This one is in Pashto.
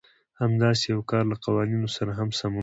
همداسې يو کار له قوانينو سره هم سمون خوري.